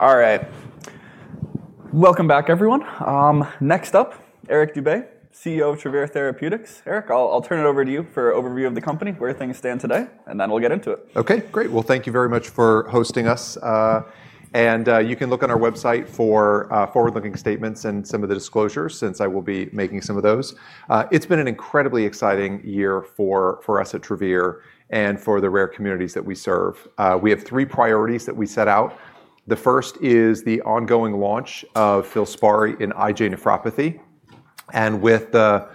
All right. Welcome back, everyone. Next up, Eric Dube, CEO of Travere Therapeutics. Eric, I'll turn it over to you for an overview of the company, where things stand today, and then we'll get into it. Okay, great. Thank you very much for hosting us. You can look on our website for forward-looking statements and some of the disclosures, since I will be making some of those. It's been an incredibly exciting year for us at Travere and for the rare communities that we serve. We have three priorities that we set out. The first is the ongoing launch of FILSPARI in IgA nephropathy. With the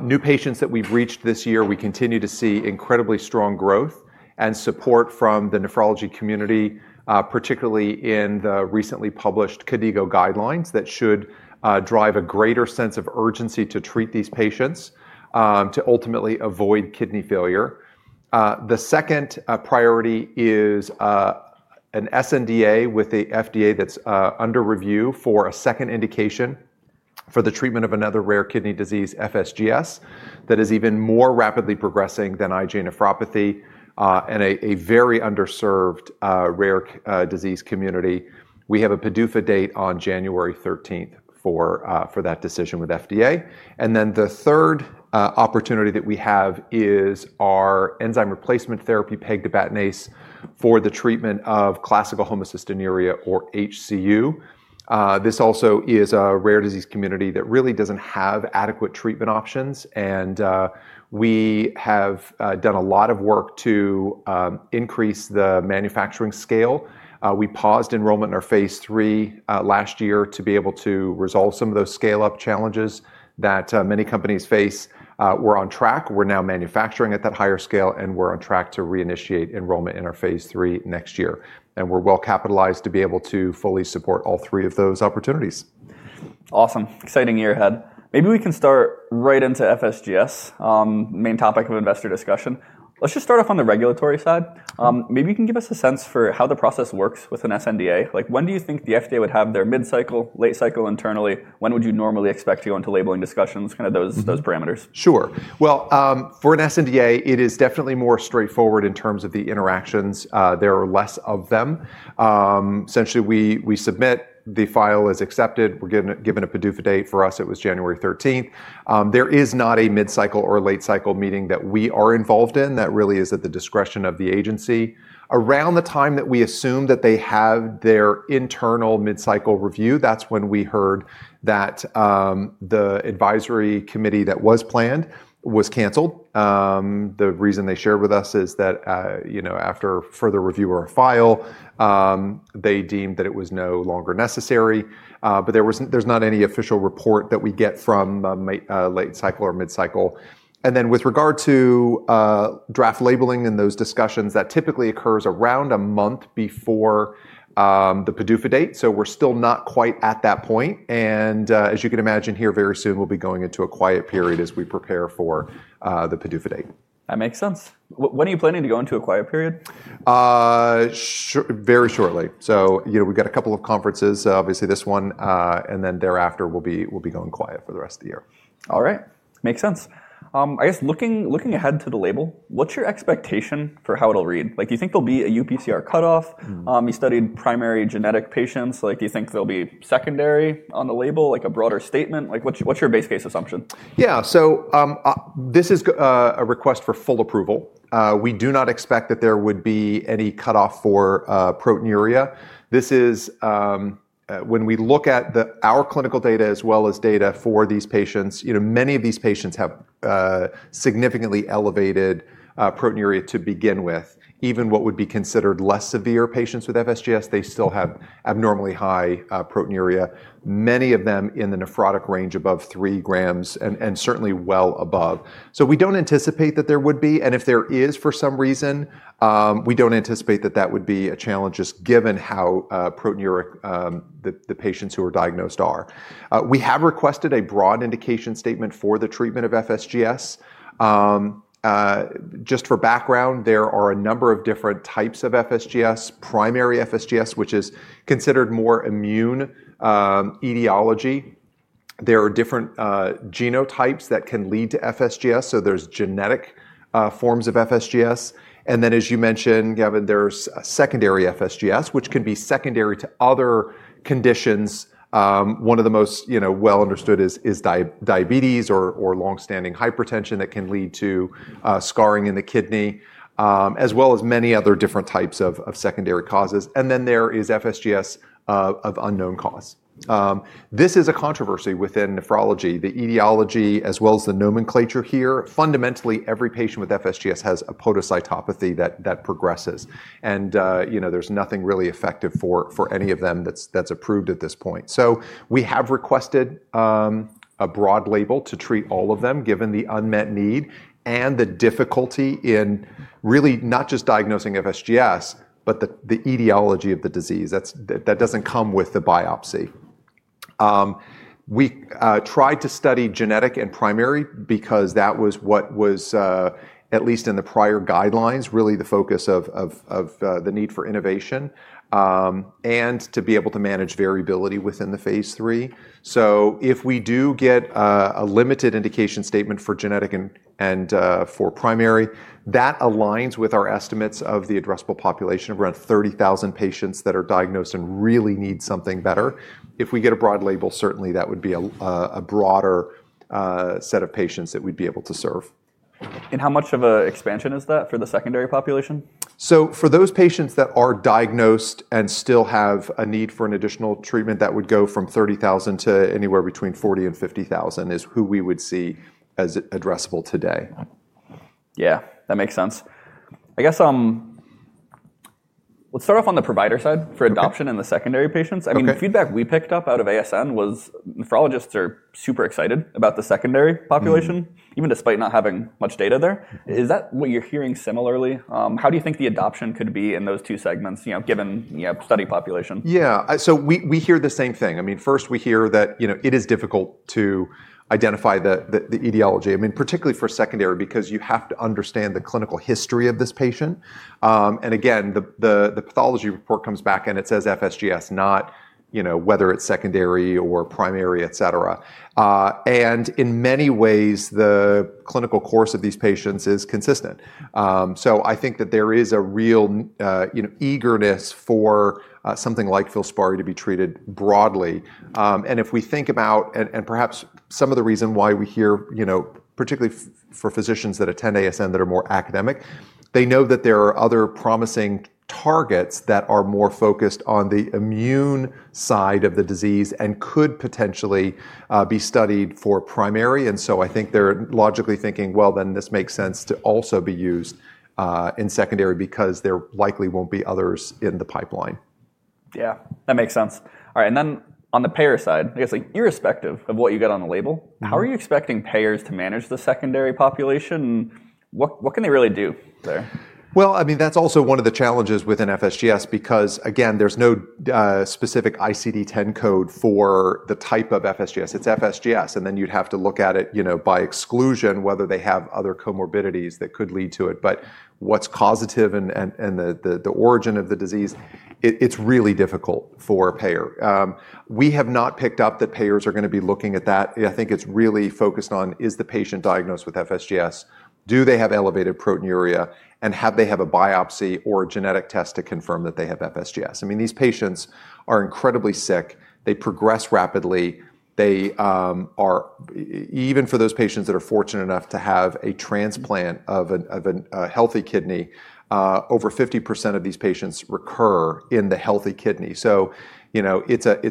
new patients that we've reached this year, we continue to see incredibly strong growth and support from the nephrology community, particularly in the recently published KDIGO guidelines that should drive a greater sense of urgency to treat these patients to ultimately avoid kidney failure. The second priority is an sNDA with the FDA that's under review for a second indication for the treatment of another rare kidney disease, FSGS, that is even more rapidly progressing than IgA nephropathy and a very underserved rare disease community. We have a PDUFA date on January 13 for that decision with the FDA. The third opportunity that we have is our enzyme replacement therapy, pegtibatinase for the treatment of classical homocystinuria, or HCU. This also is a rare disease community that really doesn't have adequate treatment options. We have done a lot of work to increase the manufacturing scale. We paused enrollment in our phase three last year to be able to resolve some of those scale-up challenges that many companies face. We're on track. We're now manufacturing at that higher scale, and we're on track to reinitiate enrollment in our phase three next year. We are well capitalized to be able to fully support all three of those opportunities. Awesome. Exciting year ahead. Maybe we can start right into FSGS, main topic of investor discussion. Let's just start off on the regulatory side. Maybe you can give us a sense for how the process works with an sNDA. Like, when do you think the FDA would have their mid-cycle, late-cycle internally? When would you normally expect to go into labeling discussions, kind of those parameters? Sure. For an sNDA, it is definitely more straightforward in terms of the interactions. There are less of them. Essentially, we submit, the file is accepted. We're given a PDUFA date. For us, it was January 13. There is not a mid-cycle or late-cycle meeting that we are involved in. That really is at the discretion of the agency. Around the time that we assume that they have their internal mid-cycle review, that's when we heard that the advisory committee that was planned was canceled. The reason they shared with us is that after further review of our file, they deemed that it was no longer necessary. There is not any official report that we get from late-cycle or mid-cycle. With regard to draft labeling and those discussions, that typically occurs around a month before the PDUFA date. We're still not quite at that point. As you can imagine here, very soon we'll be going into a quiet period as we prepare for the PDUFA date. That makes sense. When are you planning to go into a quiet period? Very shortly. We have got a couple of conferences, obviously this one, and then thereafter we will be going quiet for the rest of the year. All right. Makes sense. I guess looking ahead to the label, what's your expectation for how it'll read? Like, do you think there'll be a UPCR cutoff? You studied primary genetic patients. Like, do you think there'll be secondary on the label, like a broader statement? Like, what's your base case assumption? Yeah. This is a request for full approval. We do not expect that there would be any cutoff for proteinuria. When we look at our clinical data as well as data for these patients, many of these patients have significantly elevated proteinuria to begin with. Even what would be considered less severe patients with FSGS, they still have abnormally high proteinuria, many of them in the nephrotic range above 3 g and certainly well above. We do not anticipate that there would be. If there is for some reason, we do not anticipate that that would be a challenge just given how proteinuric the patients who are diagnosed are. We have requested a broad indication statement for the treatment of FSGS. Just for background, there are a number of different types of FSGS: primary FSGS, which is considered more immune etiology. There are different genotypes that can lead to FSGS. There's genetic forms of FSGS. As you mentioned, there's secondary FSGS, which can be secondary to other conditions. One of the most well-understood is diabetes or longstanding hypertension that can lead to scarring in the kidney, as well as many other different types of secondary causes. There is FSGS of unknown cause. This is a controversy within nephrology. The etiology, as well as the nomenclature here, fundamentally every patient with FSGS has a podocytopathy that progresses. There's nothing really effective for any of them that's approved at this point. We have requested a broad label to treat all of them, given the unmet need and the difficulty in really not just diagnosing FSGS, but the etiology of the disease that doesn't come with the biopsy. We tried to study genetic and primary because that was what was, at least in the prior guidelines, really the focus of the need for innovation and to be able to manage variability within the phase three. If we do get a limited indication statement for genetic and for primary, that aligns with our estimates of the addressable population of around 30,000 patients that are diagnosed and really need something better. If we get a broad label, certainly that would be a broader set of patients that we'd be able to serve. How much of an expansion is that for the secondary population? For those patients that are diagnosed and still have a need for an additional treatment, that would go from 30,000 to anywhere between 40,000 and 50,000 is who we would see as addressable today. Yeah, that makes sense. I guess let's start off on the provider side for adoption in the secondary patients. I mean, the feedback we picked up out of ASN was nephrologists are super excited about the secondary population, even despite not having much data there. Is that what you're hearing similarly? How do you think the adoption could be in those two segments, given the study population? Yeah. We hear the same thing. I mean, first, we hear that it is difficult to identify the etiology, I mean, particularly for secondary, because you have to understand the clinical history of this patient. Again, the pathology report comes back and it says FSGS, not whether it's secondary or primary, et cetera. In many ways, the clinical course of these patients is consistent. I think that there is a real eagerness for something like FILSPARI to be treated broadly. If we think about, and perhaps some of the reason why we hear, particularly for physicians that attend ASN that are more academic, they know that there are other promising targets that are more focused on the immune side of the disease and could potentially be studied for primary. I think they're logically thinking, well, then this makes sense to also be used in secondary because there likely won't be others in the pipeline. Yeah, that makes sense. All right. On the payer side, I guess irrespective of what you get on the label, how are you expecting payers to manage the secondary population? What can they really do there? I mean, that's also one of the challenges within FSGS because, again, there's no specific ICD-10 code for the type of FSGS. It's FSGS. You'd have to look at it by exclusion, whether they have other comorbidities that could lead to it. What's causative and the origin of the disease, it's really difficult for a payer. We have not picked up that payers are going to be looking at that. I think it's really focused on, is the patient diagnosed with FSGS? Do they have elevated proteinuria? Have they had a biopsy or genetic test to confirm that they have FSGS? I mean, these patients are incredibly sick. They progress rapidly. Even for those patients that are fortunate enough to have a transplant of a healthy kidney, over 50% of these patients recur in the healthy kidney. It's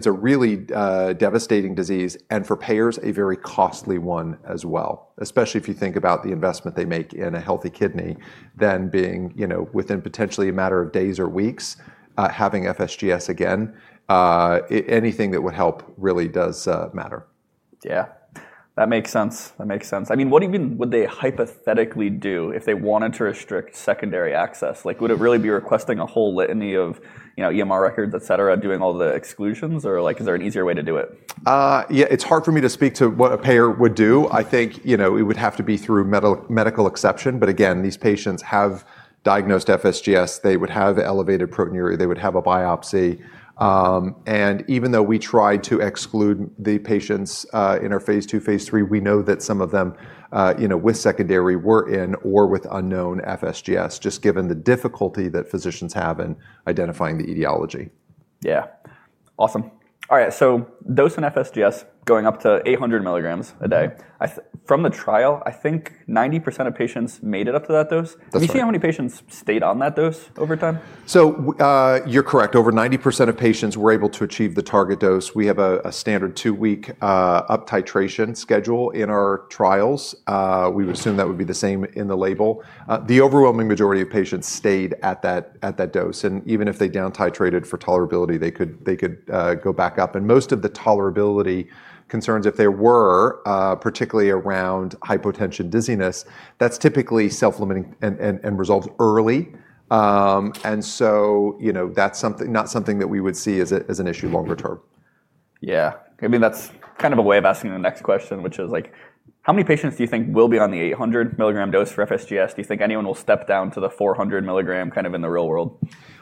a really devastating disease and for payers, a very costly one as well, especially if you think about the investment they make in a healthy kidney than being within potentially a matter of days or weeks having FSGS again. Anything that would help really does matter. Yeah, that makes sense. That makes sense. I mean, what even would they hypothetically do if they wanted to restrict secondary access? Like, would it really be requesting a whole litany of EMR records, et cetera, doing all the exclusions? Or like, is there an easier way to do it? Yeah, it's hard for me to speak to what a payer would do. I think it would have to be through medical exception. Again, these patients have diagnosed FSGS. They would have elevated proteinuria. They would have a biopsy. Even though we tried to exclude the patients in our phase two, phase three, we know that some of them with secondary were in or with unknown FSGS, just given the difficulty that physicians have in identifying the etiology. Yeah. Awesome. All right. Dose in FSGS going up to 800 mg a day. From the trial, I think 90% of patients made it up to that dose. That's right. Can you see how many patients stayed on that dose over time? You're correct. Over 90% of patients were able to achieve the target dose. We have a standard two-week up-titration schedule in our trials. We would assume that would be the same in the label. The overwhelming majority of patients stayed at that dose. Even if they down-titrated for tolerability, they could go back up. Most of the tolerability concerns, if there were, particularly around hypotension and dizziness, are typically self-limiting and resolve early. That's not something that we would see as an issue longer term. Yeah. I mean, that's kind of a way of asking the next question, which is like, how many patients do you think will be on the 800 mg dose for FSGS? Do you think anyone will step down to the 400 mg kind of in the real world?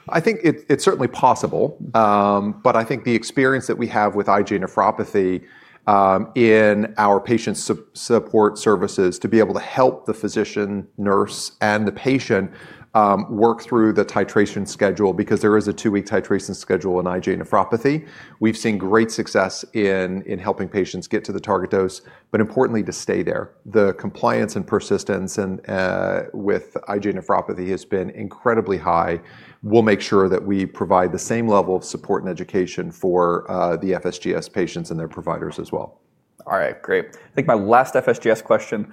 I think it's certainly possible. I think the experience that we have with IgA nephropathy in our patient support services to be able to help the physician, nurse, and the patient work through the titration schedule, because there is a two-week titration schedule in IgA nephropathy, we've seen great success in helping patients get to the target dose. Importantly, to stay there, the compliance and persistence with IgA nephropathy has been incredibly high. We'll make sure that we provide the same level of support and education for the FSGS patients and their providers as well. All right, great. I think my last FSGS question.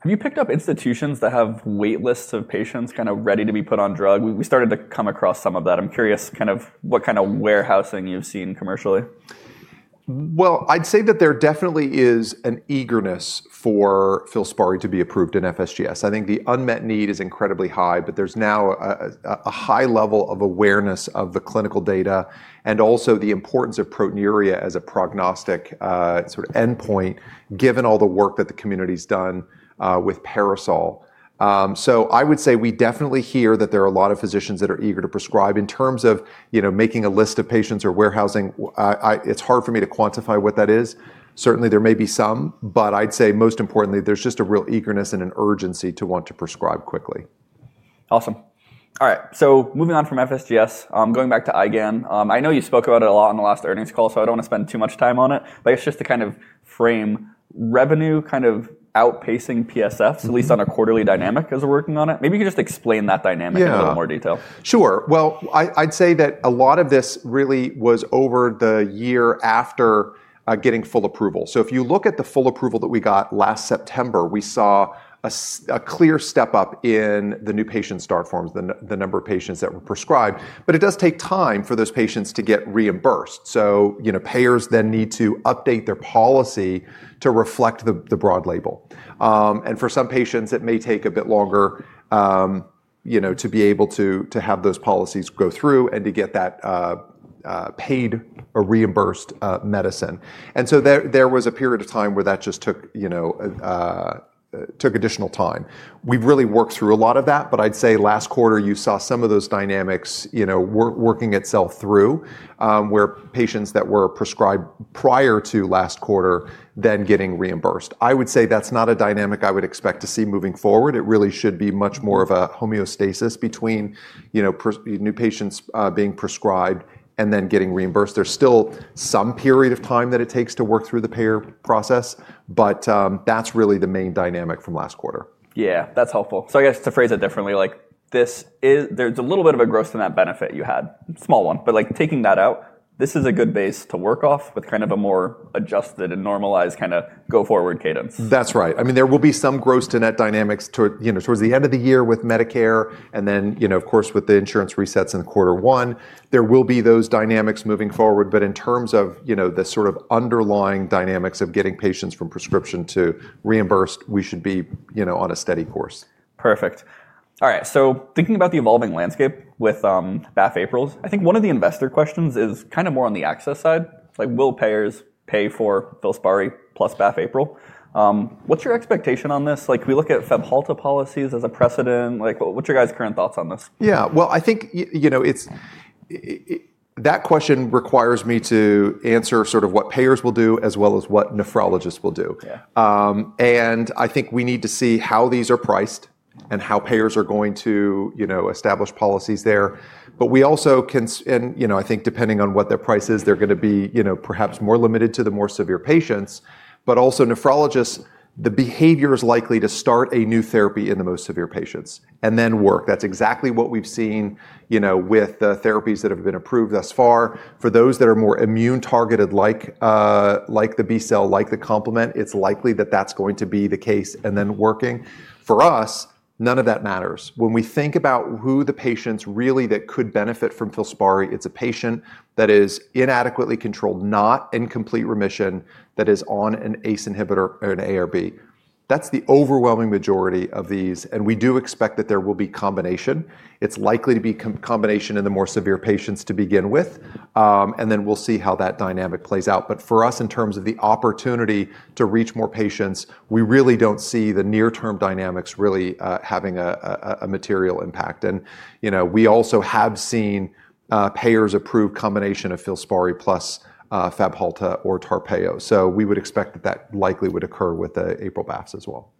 Have you picked up institutions that have waitlists of patients kind of ready to be put on drug? We started to come across some of that. I'm curious kind of what kind of warehousing you've seen commercially? I’d say that there definitely is an eagerness for FILSPARI to be approved in FSGS. I think the unmet need is incredibly high, but there’s now a high level of awareness of the clinical data and also the importance of proteinuria as a prognostic sort of endpoint, given all the work that the community has done with PARASOL. I would say we definitely hear that there are a lot of physicians that are eager to prescribe. In terms of making a list of patients or warehousing, it’s hard for me to quantify what that is. Certainly, there may be some, but I’d say most importantly, there’s just a real eagerness and an urgency to want to prescribe quickly. Awesome. All right. Moving on from FSGS, going back to IgA. I know you spoke about it a lot in the last earnings call, so I do not want to spend too much time on it. I guess just to kind of frame, revenue kind of outpacing PSFs, at least on a quarterly dynamic as we are working on it. Maybe you could just explain that dynamic in a little more detail. Sure. I'd say that a lot of this really was over the year after getting full approval. If you look at the full approval that we got last September, we saw a clear step up in the new patient start forms, the number of patients that were prescribed. It does take time for those patients to get reimbursed. Payers then need to update their policy to reflect the broad label. For some patients, it may take a bit longer to be able to have those policies go through and to get that paid or reimbursed medicine. There was a period of time where that just took additional time. We've really worked through a lot of that. I'd say last quarter, you saw some of those dynamics working itself through where patients that were prescribed prior to last quarter then getting reimbursed. I would say that's not a dynamic I would expect to see moving forward. It really should be much more of a homeostasis between new patients being prescribed and then getting reimbursed. There's still some period of time that it takes to work through the payer process, but that's really the main dynamic from last quarter. Yeah, that's helpful. I guess to phrase it differently, there's a little bit of a gross net benefit you had, small one. Taking that out, this is a good base to work off with kind of a more adjusted and normalized kind of go forward cadence. That's right. I mean, there will be some gross to net dynamics towards the end of the year with Medicare. Of course, with the insurance resets in quarter one, there will be those dynamics moving forward. In terms of the sort of underlying dynamics of getting patients from prescription to reimbursed, we should be on a steady course. Perfect. All right. Thinking about the evolving landscape with BAFF/APRILs, I think one of the investor questions is kind of more on the access side. Will payers pay for FILSPARI plus BAFF/APRIL? What's your expectation on this? We look at FABHALTA policies as a precedent. What's your guys' current thoughts on this? Yeah. I think that question requires me to answer sort of what payers will do as well as what nephrologists will do. I think we need to see how these are priced and how payers are going to establish policies there. We also can, and I think depending on what their price is, they're going to be perhaps more limited to the more severe patients. Also, nephrologists, the behavior is likely to start a new therapy in the most severe patients and then work. That's exactly what we've seen with the therapies that have been approved thus far. For those that are more immune targeted, like the B cell, like the complement, it's likely that that's going to be the case and then working. For us, none of that matters. When we think about who the patients really that could benefit from FILSPARI, it's a patient that is inadequately controlled, not in complete remission, that is on an ACE inhibitor or an ARB. That's the overwhelming majority of these. We do expect that there will be combination. It's likely to be combination in the more severe patients to begin with. We will see how that dynamic plays out. For us, in terms of the opportunity to reach more patients, we really don't see the near-term dynamics really having a material impact. We also have seen payers approve combination of FILSPARI plus FABHALTA or TARPEYO. We would expect that that likely would occur with APRIL/BAFFs as well.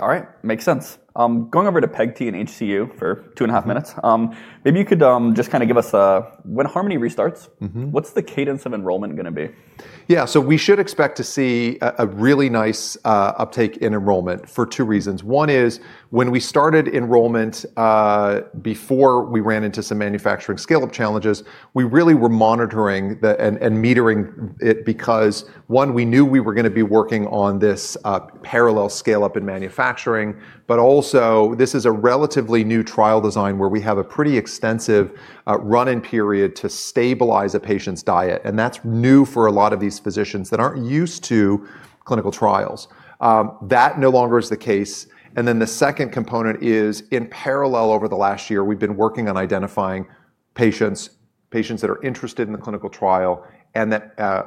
All right. Makes sense. Going over to pegti and HCU for two and a half minutes. Maybe you could just kind of give us when HARMONY restarts, what's the cadence of enrollment going to be? Yeah. We should expect to see a really nice uptake in enrollment for two reasons. One is when we started enrollment, before we ran into some manufacturing scale-up challenges, we really were monitoring and metering it because, one, we knew we were going to be working on this parallel scale-up in manufacturing. Also, this is a relatively new trial design where we have a pretty extensive run-in period to stabilize a patient's diet. That is new for a lot of these physicians that are not used to clinical trials. That no longer is the case. The second component is in parallel over the last year, we have been working on identifying patients, patients that are interested in the clinical trial, and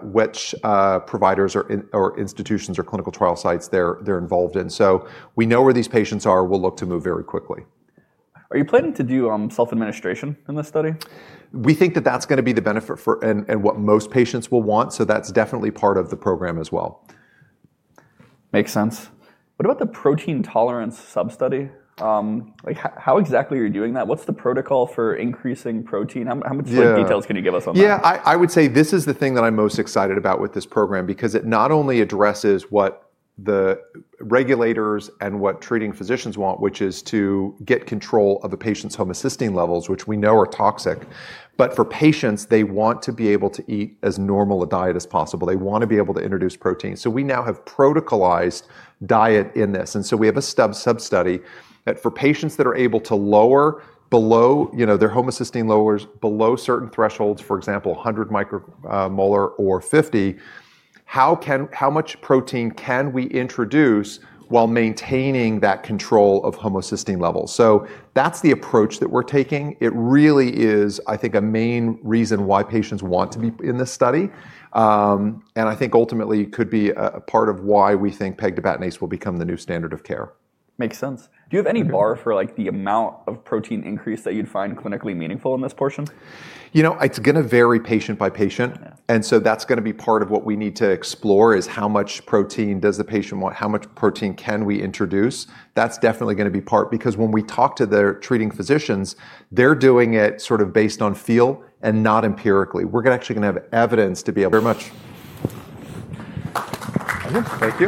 which providers or institutions or clinical trial sites they are involved in. We know where these patients are. We will look to move very quickly. Are you planning to do self-administration in this study? We think that that's going to be the benefit and what most patients will want. That's definitely part of the program as well. Makes sense. What about the protein tolerance sub-study? How exactly are you doing that? What's the protocol for increasing protein? How much details can you give us on that? Yeah. I would say this is the thing that I'm most excited about with this program because it not only addresses what the regulators and what treating physicians want, which is to get control of a patient's homocysteine levels, which we know are toxic. For patients, they want to be able to eat as normal a diet as possible. They want to be able to introduce protein. We now have protocolized diet in this. We have a sub-study that for patients that are able to lower their homocysteine levels below certain thresholds, for example, 100 µM or 50, how much protein can we introduce while maintaining that control of homocysteine levels? That is the approach that we're taking. It really is, I think, a main reason why patients want to be in this study. I think ultimately it could be a part of why we think pegtibatinase will become the new standard of care. Makes sense. Do you have any bar for the amount of protein increase that you'd find clinically meaningful in this portion? You know, it's going to vary patient by patient. That's going to be part of what we need to explore: how much protein does the patient want? How much protein can we introduce? That's definitely going to be part because when we talk to the treating physicians, they're doing it sort of based on feel and not empirically. We're actually going to have evidence to be. Very much. Thanks.